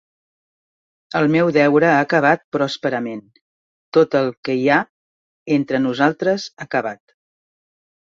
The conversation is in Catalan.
El meu deure ha acabat pròsperament; tot el que hi ha entre nosaltres ha acabat.